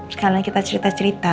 sekarang kita cerita cerita